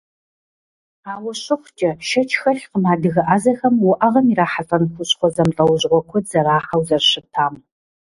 Ауэ щыхъукӏэ, шэч хэлъкъым адыгэ ӏэзэхэм уӏэгъэм ирахьэлӏэн хущхъуэ зэмылӏэужьыгъуэ куэд зэрахьэу зэрыщытам.